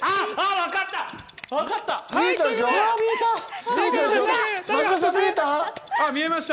わかった！